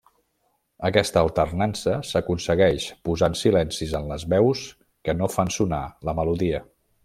Aquesta alternança s'aconsegueix posant silencis en les veus que no fan sonar la melodia.